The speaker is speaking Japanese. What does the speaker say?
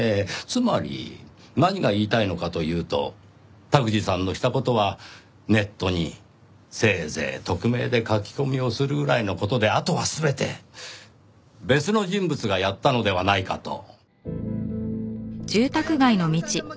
つまり何が言いたいのかというと卓司さんのした事はネットにせいぜい匿名で書き込みをするぐらいの事であとは全て別の人物がやったのではないかと。